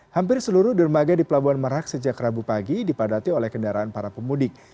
hampir seluruh dermaga di pelabuhan merak sejak rabu pagi dipadati oleh kendaraan para pemudik